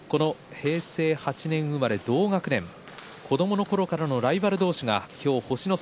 平成８年生まれ同学年子どものころからのライバル同士星の差